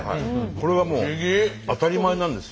これがもう当たり前なんですよ。